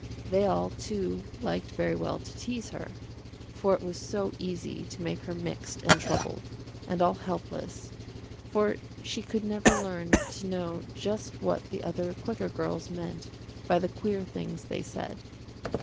They all, too, liked very well to tease her, for it was so easy to make her mixed and troubled, and all helpless, for she could never learn to know just what the other quicker girls meant by the queer things they said.